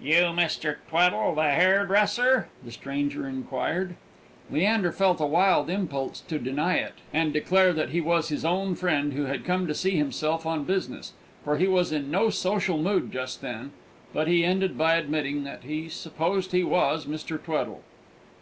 "You Mr. Tweddle the hairdresser?" the stranger inquired. Leander felt a wild impulse to deny it, and declare that he was his own friend, and had come to see himself on business, for he was in no social mood just then; but he ended by admitting that he supposed he was Mr. Tweddle.